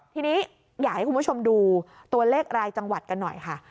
ทีนี้อยากให้คุณผู้ชมดูตัวเลขรายจังหวัดกันหน่อยค่ะ